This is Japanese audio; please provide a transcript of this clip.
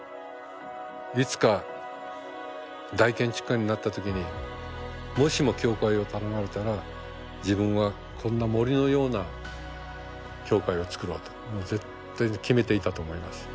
いつか大建築家になった時にもしも教会を頼まれたら自分はこんな森のような教会を作ろうともうずっと決めていたと思います。